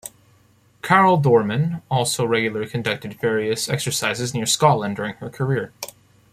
"Karel Doorman" also regularly conducted various exercises near Scotland during her career.